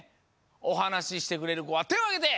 おはなししてくれるこはてをあげて！